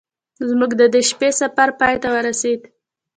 زموږ د دې شپې سفر پای ته ورسید.